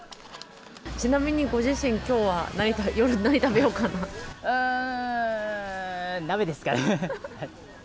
ちなみにご自身、きょうは夜、うーん、鍋ですかね。